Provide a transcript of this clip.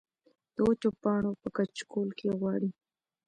د وچو پاڼو پۀ کچکول کې غواړي